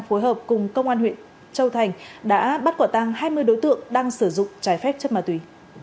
phối hợp cùng công an huyện châu thành đã bắt quả tăng hai mươi đối tượng đang sử dụng trái phép chất ma túy